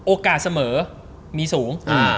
โอกาสเสมอมีสูง